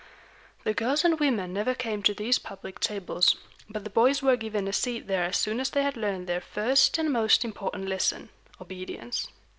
The girls and women never came to these public tables; but the boys were given a seat there as soon as they had learned their first and most important lesson, obedience.